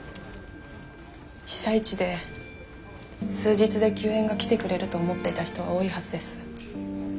被災地で数日で救援が来てくれると思っていた人は多いはずです。